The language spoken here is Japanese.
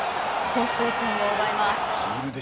先制点を奪います。